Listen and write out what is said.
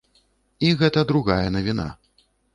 І гэта другая навіна.